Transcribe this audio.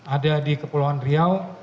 ada di kepulauan riau